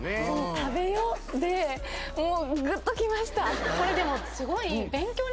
「食べよ」でもうグッときました